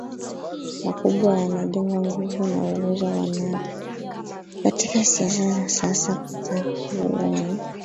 makubwa yanajenga nguvu na uwezo wa Nape katika siasa za sasa Kwanza huyu ni